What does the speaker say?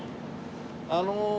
あの。